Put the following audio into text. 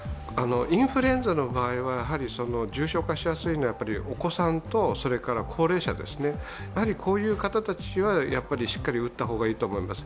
インフルエンザの場合はやはり、重症化しやすいのはお子さんと高齢者ですね、こういう方たちはしっかり打った方がいいと思います。